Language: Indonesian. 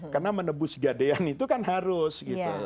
karena menebus gadean itu kan harus